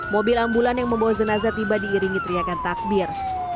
mobil ambulans yang membawa jenazah tiba diiringi teriakan takdir